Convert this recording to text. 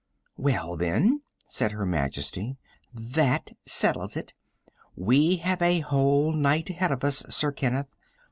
"Well, then," said Her Majesty, "that settles that. We have a whole night ahead of us, Sir Kenneth.